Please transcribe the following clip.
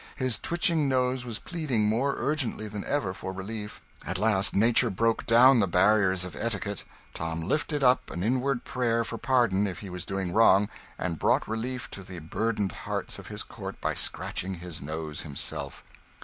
His twitching nose was pleading more urgently than ever for relief. At last nature broke down the barriers of etiquette: Tom lifted up an inward prayer for pardon if he was doing wrong, and brought relief to the burdened hearts of his court by scratching his nose himself.